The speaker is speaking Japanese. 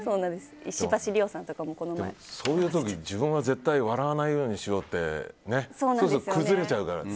そういう時、自分は絶対笑わないようにしようってやると崩れちゃうからね。